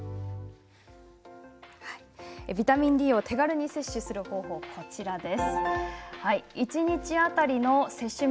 ビタミンＤを手軽に摂取する方法です。